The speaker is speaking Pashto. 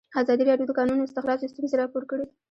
ازادي راډیو د د کانونو استخراج ستونزې راپور کړي.